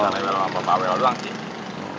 rewel sama pak welo doang sih